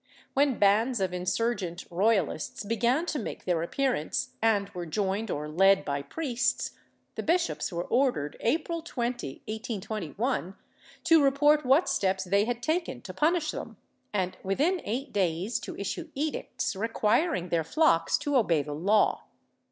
When bands of insurgent royalists began to make their appearance, and were joined or led by priests, the bishops were ordered, April 20, 1821, to report what steps they had taken to punish them and, within eight days, to issue edicts requiring their flocks to obey the law.